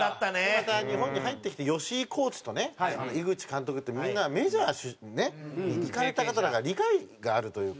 また日本に入ってきて吉井コーチとね井口監督ってみんなメジャーにね行かれた方だから理解があるというか。